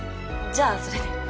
じゃあそれで。